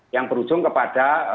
yang berujung kepada